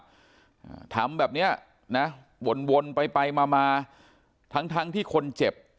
อ่าทำแบบเนี้ยนะวนวนไปไปมามาทั้งทั้งที่คนเจ็บ